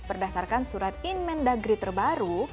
berdasarkan surat inmen dagri terbaru